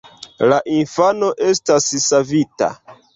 La infano estas savita.